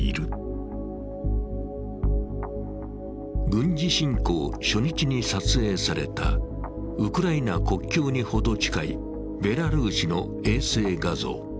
軍事侵攻初日に撮影されたウクライナ国境に程近いベラルーシの衛星画像。